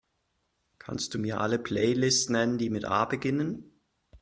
Kannst Du mir alle Playlists nennen, die mit A beginnen?